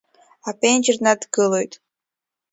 Аԥенџьыр днадгылоит.